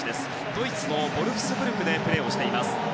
ドイツのボルフスブルクでプレーしています。